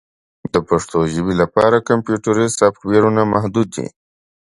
د پښتو ژبې لپاره کمپیوټري سافټویرونه محدود دي.